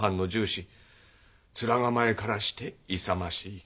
面構えからして勇ましい。